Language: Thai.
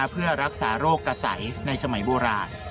เพื่อรักษาโรคกระใสในสมัยโบราณ